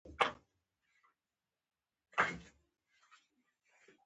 تاریخي روایتونه راته وايي.